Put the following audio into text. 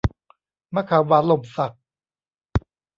มะขามหวานหล่มสัก